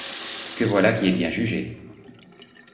Que voilà qui est bien jugé!